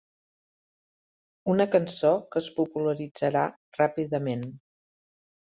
Una cançó que es popularitzarà ràpidament.